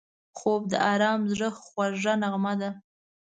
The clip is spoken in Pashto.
خوب د آرام زړه خوږه نغمه ده